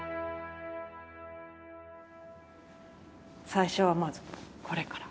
最初はまずこれから。